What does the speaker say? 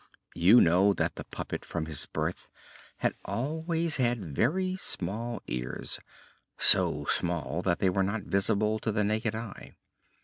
You know that the puppet from his birth had always had very small ears so small that they were not visible to the naked eye.